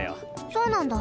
そうなんだ。